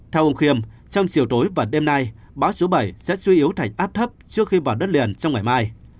theo ông khiêm trong chiều tối và đêm nay bão số bảy sẽ suy yếu thành áp thấp trước khi vào đất liền trong ngày mai